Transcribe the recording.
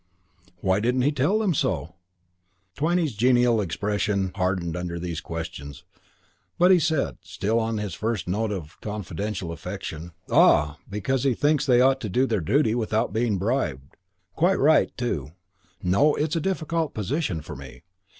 "Why didn't he tell them so?" Twyning's genial expression hardened under these questions, but he said, still on his first note of confidential affection, "Ah, because he thinks they ought to do their duty without being bribed. Quite right, too. No, it's a difficult position for me.